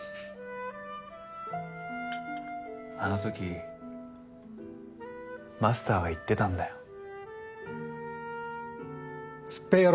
あの時マスターが言ってたんだよ。